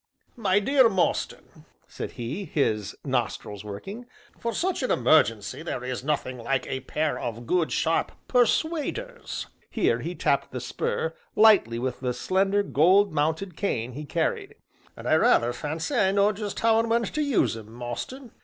"My dear Mostyn," said he, his nostrils working, "for such an emergency there is nothing like a pair of good sharp 'persuaders,'" here he tapped the spur lightly with the slender gold mounted cane he carried; "and I rather fancy I know just how and when to use 'em, Mostyn."